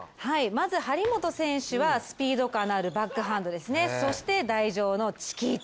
まず張本選手はスピード感のあるバックハンドですね、そして台上のチキータ